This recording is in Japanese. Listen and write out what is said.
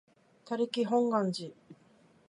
他力本願寺